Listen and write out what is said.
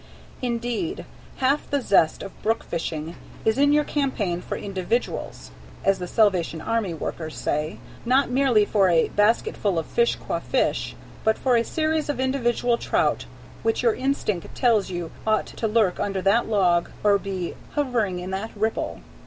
Indeed, half the zest of brook fishing is in your campaign for "individuals," as the Salvation Army workers say, not merely for a basketful of fish qua fish, but for a series of individual trout which your instinct tells you ought to lurk under that log or be hovering in that ripple.